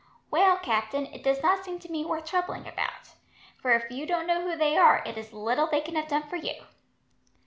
"Well, Captain, it does not seem to me worth troubling about, for if you don't know who they are, it is little they can have done for you."